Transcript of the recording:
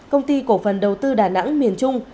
công ty cổ phần đầu tư đà nẵng miền trung